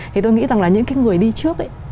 thì tôi nghĩ rằng là những cái người đi trước ấy